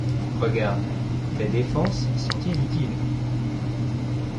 Regarde : tes défenses sont inutiles.